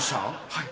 はい。